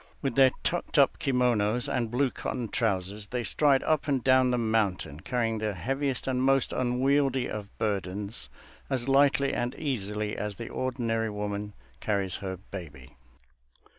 With their tucked up kimonos and blue cotton trousers, they stride up and down the mountain, carrying the heaviest and most unwieldy of burdens as lightly and easily as the ordinary woman carries her baby.